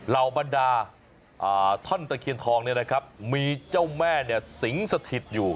เหล่าบรรดาท่อนตะเคียนทองเนี่ยนะครับมีเจ้าแม่สิงสถิตอยู่